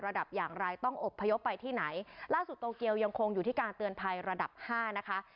อย่างไรต้องอบพยพไปที่ไหนล่าสุดโตเกียวยังคงอยู่ที่การเตือนภัยระดับห้านะคะ